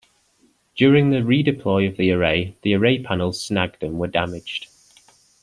During the re-deploy of the array, the array panels snagged and were damaged.